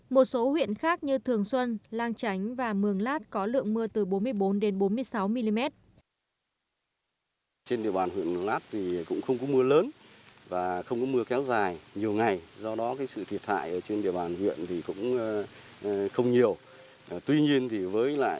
một số huyện khác như thường xuân lang chánh và mường lát có lượng mưa từ bốn mươi bốn đến bốn mươi sáu mm